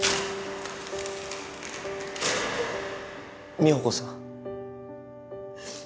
美保子さん。